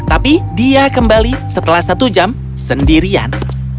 tapi dia kembali setelah satu jam sendirian